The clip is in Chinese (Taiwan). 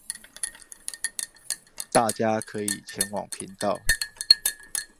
大家可以前往頻道